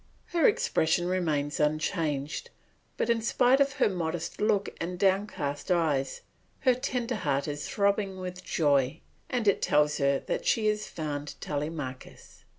Her expression remains unchanged; but in spite of her modest look and downcast eyes, her tender heart is throbbing with joy, and it tells her that she has found Telemachus.